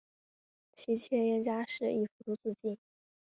其妾燕佳氏亦服毒自尽。